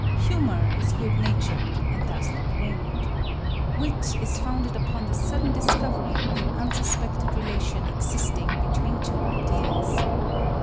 Humor is good natured, and does not wound. Wit is founded upon the sudden discovery of an unsuspected relation existing between two ideas.